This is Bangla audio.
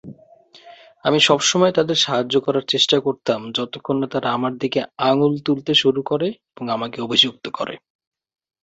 আমি সবসময় তাদের সাহায্য করার চেষ্টা করতাম যতক্ষণ না তারা আমার দিকে আঙুল তুলতে শুরু করে এবং আমাকে অভিযুক্ত করে।